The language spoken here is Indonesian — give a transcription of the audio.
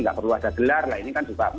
nggak perlu ada gelar lah ini kan juga